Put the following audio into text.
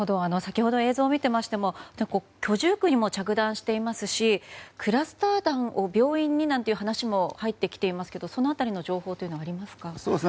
先ほど映像見ていましても居住区にも着弾していますしクラスター弾を病院になんて話も入ってきていますがその辺りの情報はありますか？